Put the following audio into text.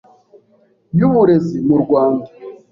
y’Uburezi mu Rwanda